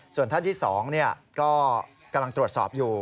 ส่วนท่านที่๒ก็กำลังตรวจสอบอยู่